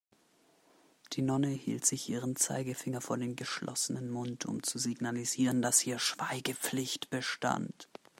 Die Nonne hielt sich ihren Zeigefinger vor den geschlossenen Mund, um zu signalisieren, dass hier Schweigepflicht bestand.